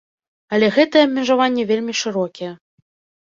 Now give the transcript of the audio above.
Але гэтыя абмежаванні вельмі шырокія.